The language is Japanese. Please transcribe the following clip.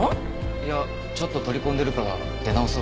いやちょっと取り込んでるから出直そうかなって。